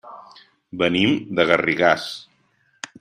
Venim de Garrigàs.